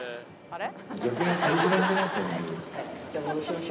あれ？